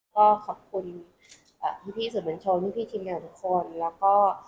ก็ขอบคุณอ่าพี่พี่สุดมันชมพี่พี่ทีมงานทุกคนแล้วก็อ่า